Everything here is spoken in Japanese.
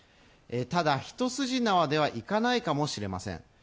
ただ一筋縄ではいかないかもしれません。